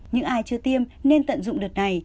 những ai chưa tiêm nên tận dụng đợt này